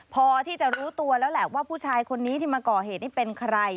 พอที่จะรู้ตัวแล้วแหละว่าผู้ชายคนนี้ที่มาก่อเหตุนี่เป็นใคร